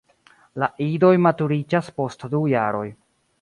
La idoj maturiĝas post du jaroj.